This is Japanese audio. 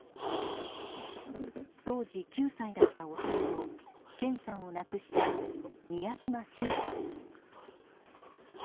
当時、９歳だった弟・健さんを亡くした美谷島真さん。